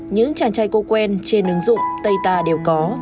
những chàng trai cô quen trên ứng dụng tây ta đều có